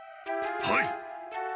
はい！